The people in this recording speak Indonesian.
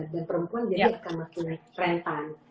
dan perempuan jadi akan makin panas